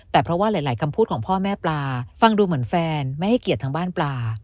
แต่เพราะว่าหลายคำพูดของพ่อแม่ปลาฟังดูเหมือนแฟนไม่ให้เกียรติทั้งบ้านปลา